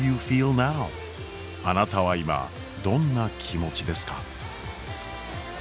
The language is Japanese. あなたは今どんな気持ちですか？